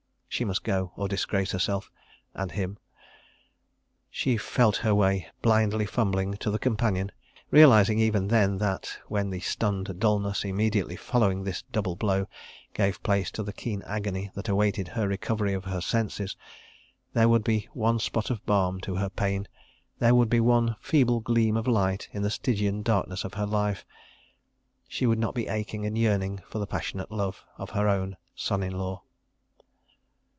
She must go, or disgrace herself—and him. ... She felt her way, blindly fumbling, to the companion, realising even then that, when the stunned dullness immediately following this double blow gave place to the keen agony that awaited her recovery of her senses, there would be one spot of balm to her pain, there would be one feeble gleam of light in the Stygian darkness of her life—she would not be aching and yearning for the passionate love of her own son in law!